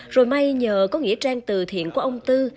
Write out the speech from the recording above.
rồi may nhờ có nghĩa trang từ thiện của ông tư